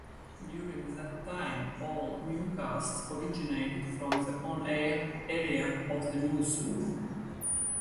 During that time, all newscasts originated from the on-air area of the newsroom.